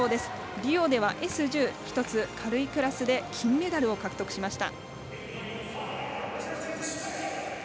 リオではＳ１０１つ軽いクラスで金メダルを獲得しました。